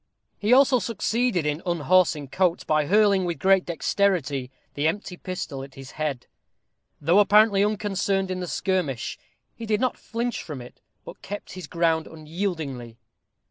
He also succeeded in unhorsing Coates, by hurling, with great dexterity, the empty pistol at his head. Though apparently unconcerned in the skirmish, he did not flinch from it, but kept his ground unyieldingly.